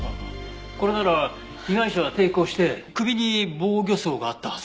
これなら被害者は抵抗して首に防御創があったはず。